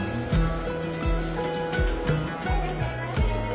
はいいらっしゃいませ。